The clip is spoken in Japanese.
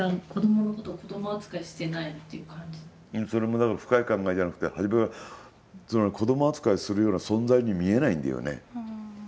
それも、だから深い考えじゃなくて初めから子ども扱いするような存在に見えないんだよね。